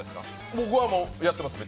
僕はやってますね。